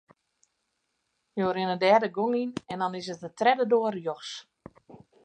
Jo rinne dêr de gong yn en dan is it de tredde doar rjochts.